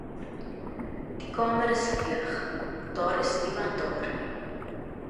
Die kamer is leeg - daar is niemand daar nie.